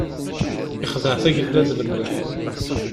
Ixdeɛ tagella d lemleḥ.